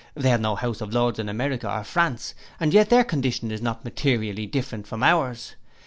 They have no House of Lords in America or France, and yet their condition is not materially different from ours.